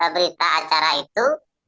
berita acara itu